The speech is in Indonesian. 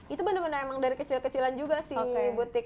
itu bener bener emang dari kecil kecilan juga sih butik